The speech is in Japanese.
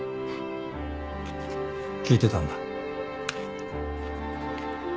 聞いてたんだ。